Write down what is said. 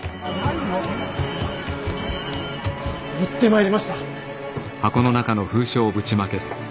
持ってまいりました！